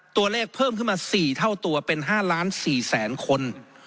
เพิ่มขึ้นมา๔เท่าตัวเป็น๕ล้าน๔แสนคน